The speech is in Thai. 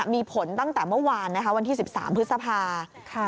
มีผลตั้งแต่เมื่อวานนะคะวันที่๑๓พฤษภา